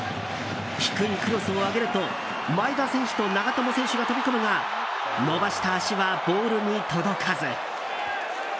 低いクロスを上げると前田選手と長友選手が飛び込むが伸ばした足はボールに届かず。